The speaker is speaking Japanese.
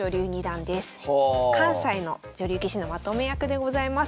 関西の女流棋士のまとめ役でございます。